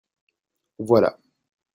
Voilà (quand on donne quelque chose).